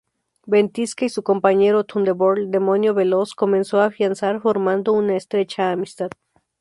Ventisca y su compañero Thunderbolt Demonio Veloz comenzó a afianzar, formando una estrecha amistad.